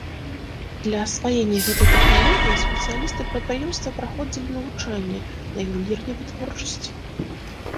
Для асваення гэтай тэхналогіі спецыялісты прадпрыемства праходзілі навучанне на ювелірнай вытворчасці.